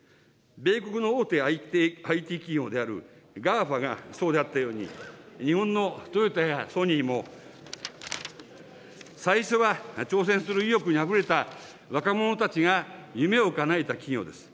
米国の大手ＩＴ企業であるＧＡＦＡがそうであったように、日本のトヨタやソニーも、最初は挑戦する意欲にあふれた若者たちが夢をかなえた企業です。